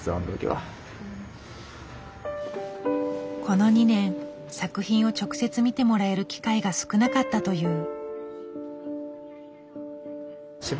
この２年作品を直接見てもらえる機会が少なかったという。